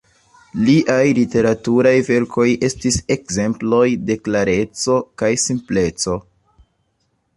Liaj literaturaj verkoj estis ekzemploj de klareco kaj simpleco.